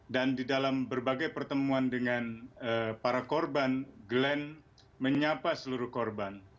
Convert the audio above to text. dan di dalam berbagai pertemuan dengan para korban glenn menyapa seluruh korban